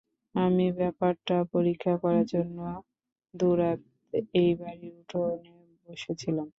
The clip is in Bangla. আমি ব্যাপারটা পরীক্ষা করার জন্যে দুরাত এই বাড়ির উঠোনে বসে ছিলাম।